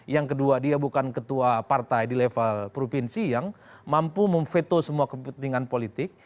yang kedua dia bukan ketua partai di level provinsi yang mampu memveto semua kepentingan politik